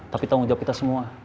tapi tanggung jawab kita semua